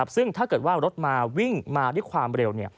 ซึ่งถ้าเกิดว่ารถมาวิ่งมาด้วยความเร็ว